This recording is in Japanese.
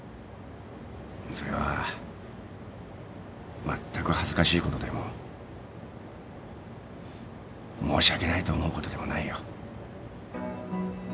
それはまったく恥ずかしいことでも申し訳ないと思うことでもないよ。